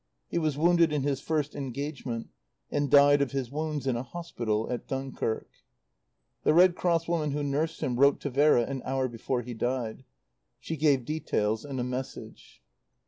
He was wounded in his first engagement, and died of his wounds in a hospital at Dunkirk. The Red Cross woman who nursed him wrote to Vera an hour before he died. She gave details and a message.